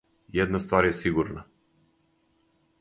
Једна ствар је сигурна.